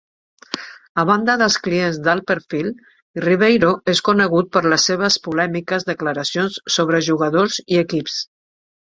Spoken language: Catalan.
A banda dels clients d'alt perfil, Ribeiro és conegut per les seves polèmiques declaracions sobre jugadors i equips.